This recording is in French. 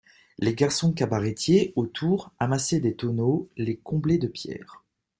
Les garçons cabaretiers, autour, amassaient des tonneaux, les comblaient de pierres.